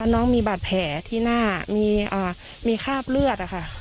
น้องมีบาดแผลที่หน้ามีคราบเลือดนะคะ